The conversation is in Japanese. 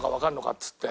っつって。